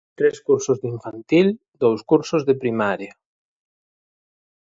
Tres cursos de infantil, dous cursos de primaria...